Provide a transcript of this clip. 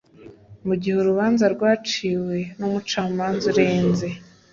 mu gihe urubanza rwaciwe n umucamanza urenze